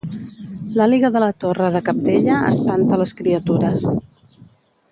L'àliga de la Torre de Capdella espanta les criatures